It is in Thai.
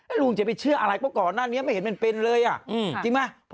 ไอ้ลุงจะไปเชื่ออะไรก็ก่อนนั่นเนี้ยไม่เห็นเป็นเป็นเลยอ่ะอืมจริงไหม